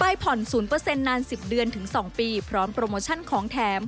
ผ่อน๐นาน๑๐เดือนถึง๒ปีพร้อมโปรโมชั่นของแถม